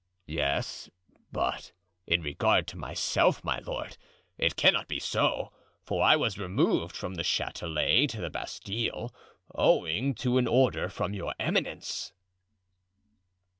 "Yes, but in regard to myself, my lord, it cannot be so, for I was removed from the Chatelet to the Bastile owing to an order from your eminence."